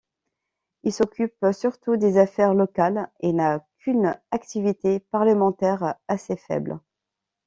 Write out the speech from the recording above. Il s'occupe surtout des affaires locales et n'a qu'une activité parlementaire assez faible.